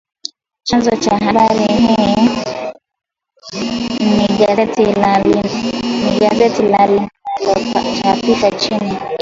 Chanzo cha habari hii ni gazeti la linalochapishwa nchini Kenya